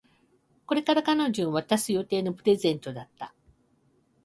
これから彼女に渡す予定のプレゼントだった